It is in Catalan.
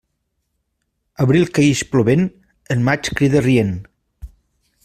Abril que ix plovent, el maig crida rient.